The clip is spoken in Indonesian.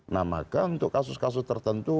nah maka untuk kasus kasus tertentu